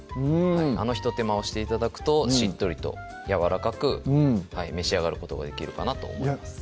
あの一手間をして頂くとしっとりとやわらかく召し上がることができるかなと思います